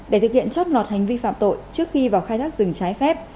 để thực hiện chót lọt hành vi phạm tội trước khi vào khai thác rừng trái phép